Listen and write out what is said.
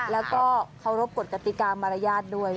แล้วก็เคารพกฎกติกามารยาทด้วย